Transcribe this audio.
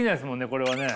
これはね。